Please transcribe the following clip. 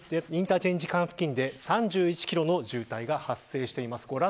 中井インターチェンジ間付近で３１キロの渋滞が発生しています。